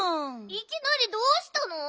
いきなりどうしたの？